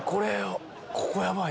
ここヤバい。